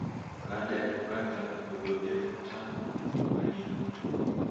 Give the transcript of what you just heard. baada ya kukata kuhudhuria mkutano unaofanyika